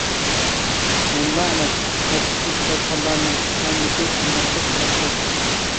مەنلا ئەمەس مەسچىتتىن چىقىۋاتقانلارنىڭ ھەممىسى شۇنداقتەك قىلاتتى.